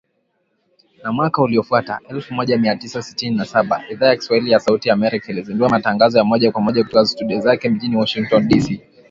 Na mwaka uliofuata, elfu moja mia tisa sitini na saba, Idhaa ya Kiswahili ya Sauti ya Amerika ilizindua matangazo ya moja kwa moja kutoka studio zake mjini Washington dc.